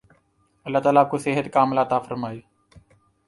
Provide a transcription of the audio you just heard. اللہ تعالی آپ کو صحت ِکاملہ عطا فرمائے